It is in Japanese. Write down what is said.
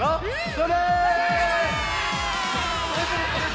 それ！